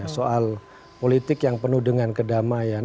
soal politik yang penuh dengan kedamaian